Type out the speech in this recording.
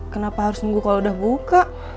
kenapa harus nunggu kalau udah buka